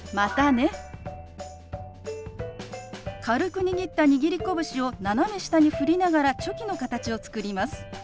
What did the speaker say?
軽く握った握り拳を斜め下に振りながらチョキの形を作ります。